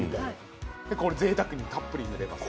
ぜいたくにたっぷり塗れます。